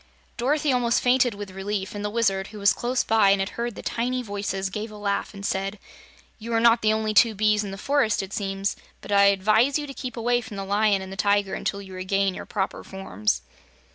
Dorothy almost fainted, with relief, and the Wizard, who was close by and had heard the tiny voices, gave a laugh and said: "You are not the only two bees in the forest, it seems, but I advise you to keep away from the Lion and the Tiger until you regain your proper forms."